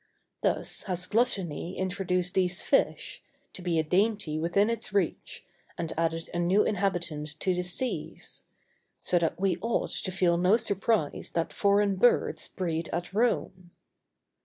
Thus has gluttony introduced these fish, to be a dainty within its reach, and added a new inhabitant to the seas; so that we ought to feel no surprise that foreign birds breed at Rome.